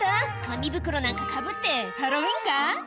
紙袋なんかかぶってハロウィーンか？